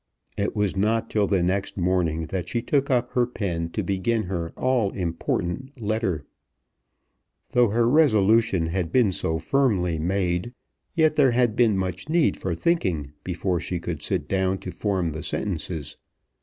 It was not till the next morning that she took up her pen to begin her all important letter. Though her resolution had been so firmly made, yet there had been much need for thinking before she could sit down to form the sentences.